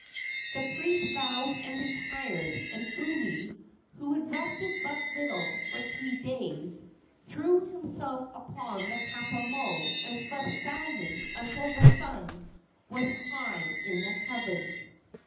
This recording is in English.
The priest bowed and retired, and Umi, who had rested but little for three days, threw himself upon the kapa moe and slept soundly until the sun was high in the heavens.